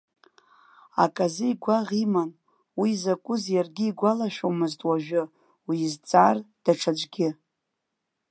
Аказы игәаӷ иман, уи закәыз иаргьы игәалашәомызт уажәы, уизҵаар, даҽаӡәгьы.